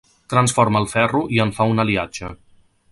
Transforma el ferro i en fa un aliatge.